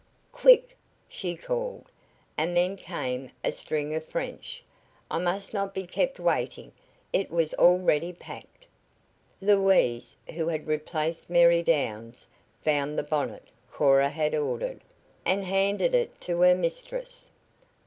"Quick!" she called, and then came a string of French. "I must not be kept waiting eet was already packed " Louise, who had replaced Mary Downs, found the bonnet Cora had ordered, and handed it to her mistress.